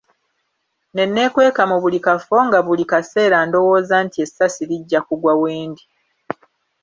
Ne neekweka mu buli kafo nga buli kaseera ndowooza nti essasi lijja kugwa we ndi.